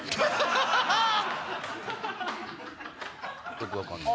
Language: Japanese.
全く分かんない。